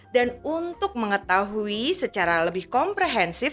dan untuk mengetahui secara lebih komprehensif